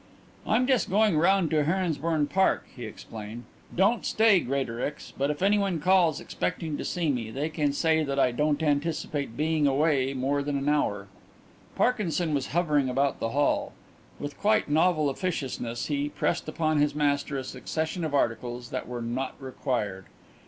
"I'm just going round to Heronsbourne Park," he explained. "Don't stay, Greatorex, but if anyone calls expecting to see me, they can say that I don't anticipate being away more than an hour." Parkinson was hovering about the hall. With quite novel officiousness he pressed upon his master a succession of articles that were not required.